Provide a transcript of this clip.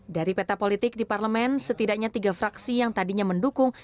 dari peta politik di parlemen setidaknya tiga fraksi yang tadinya mendukung